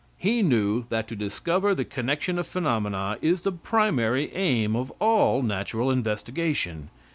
He knew that to discover the connection of phenomena is the primary aim of all natural investigation.